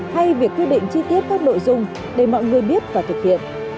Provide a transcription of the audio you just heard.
hay việc quyết định chi tiết các nội dung để mọi người biết và thực hiện